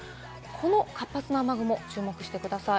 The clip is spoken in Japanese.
活発な雨雲に注目してください。